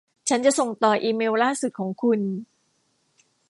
ฉันจะส่งต่ออีเมลล่าสุดของคุณ